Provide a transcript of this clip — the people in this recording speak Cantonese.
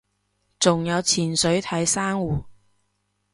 仲有潛水睇珊瑚